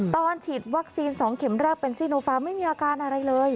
ตอนฉีดวัคซีน๒เข็มแรกเป็นซีโนฟาไม่มีอาการอะไรเลย